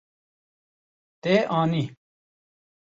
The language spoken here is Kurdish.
Te anî.